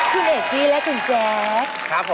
คุณเอกกี้และคุณแจ๊ก